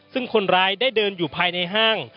ซึ่งคนร้ายได้เดินอยู่ภายในห้าง